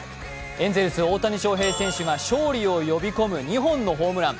エンゼルス・大谷翔平選手が勝利を呼び込む２本のホームラン。